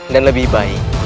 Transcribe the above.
dan lebih baik